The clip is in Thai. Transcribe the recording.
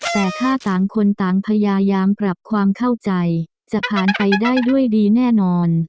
แต่ถ้าต่างคนต่างพยายามปรับความเข้าใจจะผ่านไปได้ด้วยดีแน่นอน